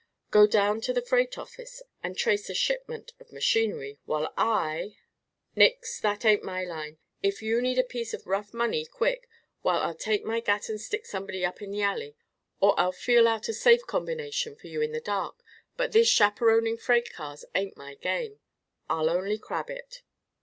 "Go down to the freight office and trace a shipment of machinery, while I " "Nix! That ain't my line. If you need a piece of rough money quick, why I'll take my gat and stick somebody up in an alley, or I'll feel out a safe combination for you in the dark; but this chaperoning freight cars ain't my game. I'd only crab it."